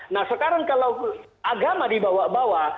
nah sekarang kalau agama dibawa bawa